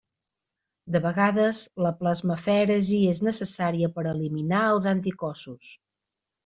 De vegades, la plasmafèresi és necessària per eliminar els anticossos.